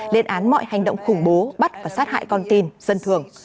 lên án mọi hành động khủng bố bắt và sát hại con tin dân thường